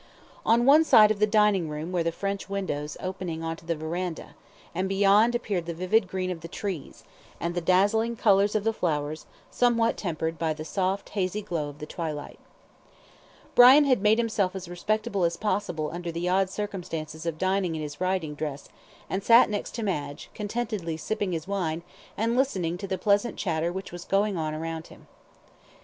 On one side of the dining room were the French windows opening on to the verandah, and beyond appeared the vivid green of the trees, and the dazzling colours of the flowers, somewhat tempered by the soft hazy glow of the twilight. Brian had made himself as respectable as possible under the odd circumstances of dining in his riding dress, and sat next to Madge, contentedly sipping his wine, and listening to the pleasant chatter which was going on around him.